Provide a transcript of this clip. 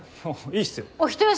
いいっすよ。